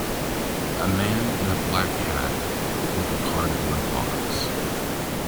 A man in a black hat, with a cardboard box.